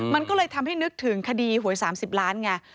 มันก็เลยทำให้นึกถึงคดีหวย๓๐ล้านไง